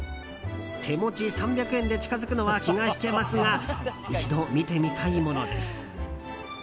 手持ち３００円で近づくのは気が引けますが一度見てみたいものです。